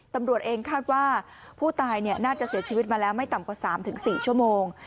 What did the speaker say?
ตำรวจเองคาดว่าผู้ตายน่าจะเสียชีวิตมาแล้วไม่ต่ำกว่า๓๔ชั่วโมง